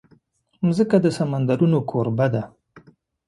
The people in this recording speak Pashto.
مځکه د سمندرونو کوربه ده.